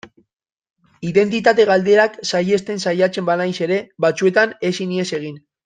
Identitate galderak saihesten saiatzen banaiz ere, batzuetan ezin ihes egin.